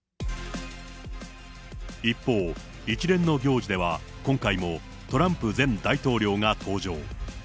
一方、一連の行事では今回もトランプ前大統領が登場。